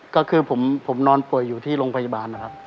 ก็คือผมนอนป่วยอยู่ที่โรงพยาบาลนะครับ